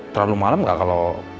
terlalu malem gak kalau